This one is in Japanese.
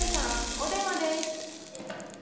お電話です。